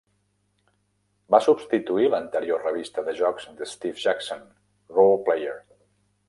Va substituir l'anterior revista de jocs de Steve Jackson, "Roleplayer".